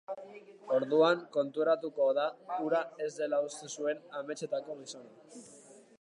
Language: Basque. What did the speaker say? Orduan konturatuko da hura ez dela uste zuen ametsetako gizona.